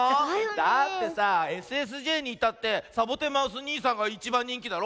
だってさＳＳＪにいたってサボテンマウスにいさんがいちばんにんきだろ。